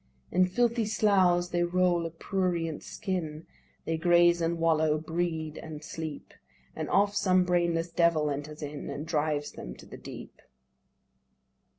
"In filthy sloughs they roll a prurient skin, They graze and wallow, breed and sleep; And oft some brainless devil enters in, And drives them to the deep."